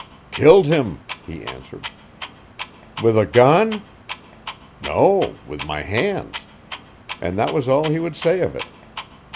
'Killed him,' he answered. 'With a gun? 'No with my hands,' and that was all he would say of it.